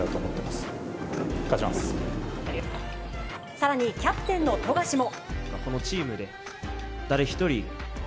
更に、キャプテンの富樫も。